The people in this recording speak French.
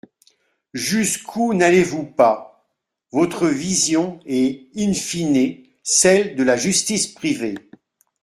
Jusqu’où n’allez-vous pas ! Votre vision est in fine celle de la justice privée.